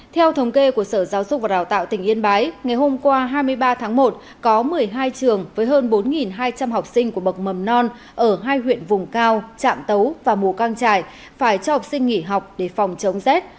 theo thống kê của sở giáo dục và đào tạo tỉnh yên bái ngày hôm qua hai mươi ba tháng một có một mươi hai trường với hơn bốn hai trăm linh học sinh của bậc mầm non ở hai huyện vùng cao trạm tấu và mù căng trải phải cho học sinh nghỉ học để phòng chống rét